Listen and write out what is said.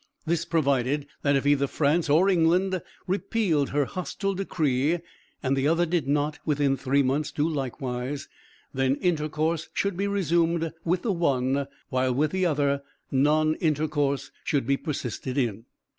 This provided that if either France or England repealed her hostile decree, and the other did not within three months do likewise, then intercourse should be resumed with the one, while with the other non intercourse should be persisted in.